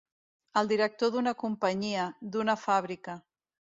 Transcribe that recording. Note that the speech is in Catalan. El director d'una companyia, d'una fàbrica.